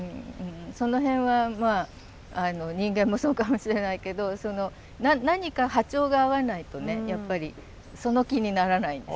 その辺は人間もそうかもしれないけど何か波長が合わないとねやっぱりその気にならないんですね。